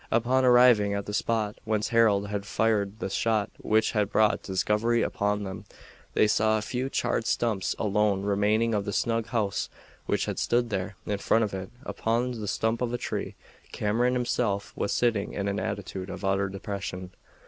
Upon arriving at the spot whence Harold had fired the shot which had brought discovery upon them, they saw a few charred stumps alone remaining of the snug house which had stood there. In front of it, upon the stump of a tree, Cameron himself was sitting in an attitude of utter depression.